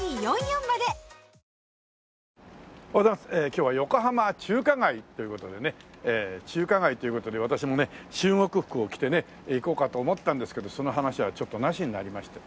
今日は横浜中華街という事でね中華街という事で私もね中国服を着てね行こうかと思ったんですけどその話はちょっとなしになりまして。